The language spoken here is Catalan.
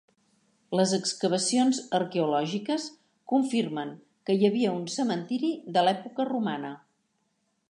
Les excavacions arqueològiques confirmen que hi havia un cementiri de l'època romana.